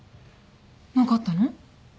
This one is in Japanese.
何かあったの？